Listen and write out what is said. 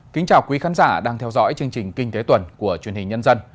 kính chào quý khán giả đang theo dõi chương trình kinh tế tuần của truyền hình nhân dân